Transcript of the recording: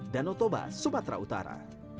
danau toba sumatera utara